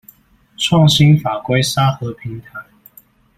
創新法規沙盒平台